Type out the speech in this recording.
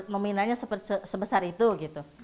meminanya sebesar itu gitu